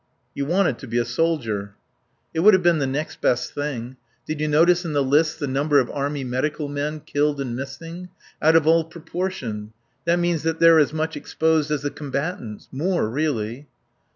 "You wanted to be a soldier." "It would have been the next best thing.... Did you notice in the lists the number of Army Medical men killed and missing? Out of all proportion. That means that they're as much exposed as the combatants. More, really....